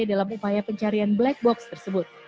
dalam upaya pencarian black box tersebut